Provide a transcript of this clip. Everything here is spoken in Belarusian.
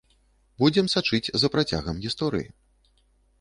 Будзем сачыць за працягам гісторыі.